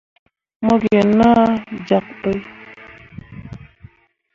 Mo gi nah jyak bai.